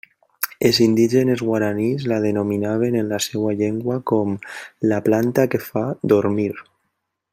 Els indígenes guaranís la denominaven en la seua llengua com «la planta que fa dormir».